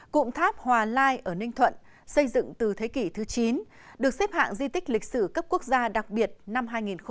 cụm tháp hòa lai ở ninh thuận xây dựng từ thế kỷ thứ chín được xếp hạng di tích lịch sử cấp quốc gia đặc biệt năm hai nghìn một mươi